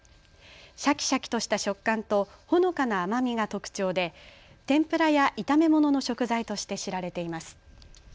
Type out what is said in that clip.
シャキシャキとした食感とほのかな甘みが特徴で天ぷらや炒め物の食材として知られています。